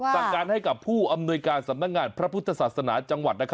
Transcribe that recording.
สั่งการให้กับผู้อำนวยการสำนักงานพระพุทธศาสนาจังหวัด